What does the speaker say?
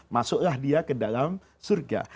masuklah dia ke dalam surga